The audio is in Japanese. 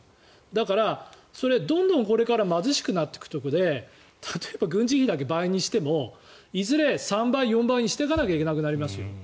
だから、それはどんどんこれから貧しくなっていくところで例えば軍事費だけ倍にしてもいずれ３倍、４倍にしていかないといけなくなりますよ。